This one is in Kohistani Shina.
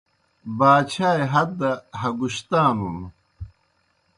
باچھائے ہت دہ ہگُشتانُن۔